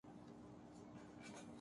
وہ گلابوں کی خوشبو سے بھرا ہوا ہے۔